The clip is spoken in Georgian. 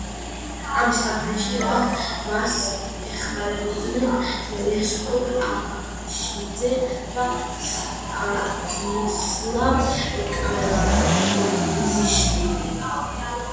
ამ საქმეში მას ეხმარებოდნენ ნესტორ აბაშიძე და სტანისლავ კალატოზიშვილი.